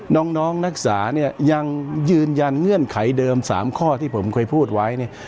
น้องนักศึกษาเนี่ยยังยืนยันเงื่อนไขเดิม๓ข้อที่ผมเคยพูดไว้เนี่ย